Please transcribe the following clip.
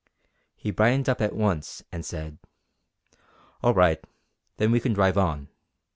He brightened up at once and said: "All right, then we can drive on.